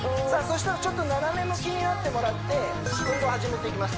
したらちょっと斜め向きになってもらって運動を始めていきます